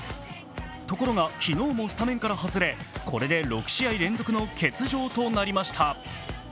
ところが、昨日もスタメンから外れこれで６試合連続の欠場となりました。